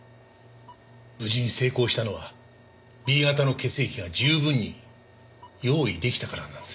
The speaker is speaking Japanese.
無事に成功したのはＢ型の血液が十分に用意出来たからなんです。